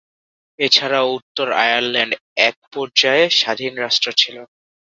এ ছাড়াও উত্তর আয়ারল্যান্ড এক পর্যায়ে স্বাধীন রাষ্ট্র ছিল।